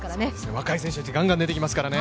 若い選手ガンガン出てきますからね。